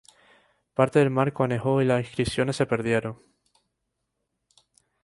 Parte del marco anejo y las inscripciones se perdieron.